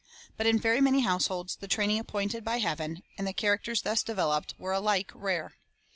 But in very many households the training ap pointed by Heaven, and the characters thus developed, were alike rare.